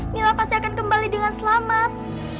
mila pasti akan kembali dengan selamat